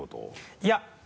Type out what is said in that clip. いや！